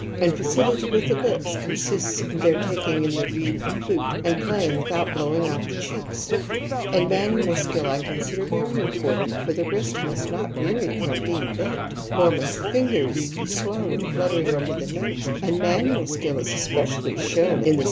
And facility with the lips consists in their taking in the reed of the flute and playing without blowing out the cheeks ; and manual skill I consider very important, for the wrist must not weary from being bent, nor must the fingers θὲ slow in fluttering over the notes, and manual skill is especially shown. in the.